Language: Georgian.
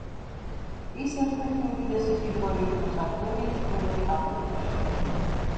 ის ერთ-ერთი უდიდესი ჰიდროელექტროსადგურია ჩრდილოეთ ამერიკაში.